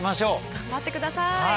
頑張って下さい！